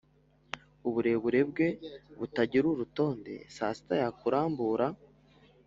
uburebure bwe butagira urutonde saa sita yakurambura,